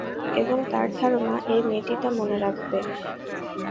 এবং তার ধারণা, এই মেয়েটি তা মনে রাখবে।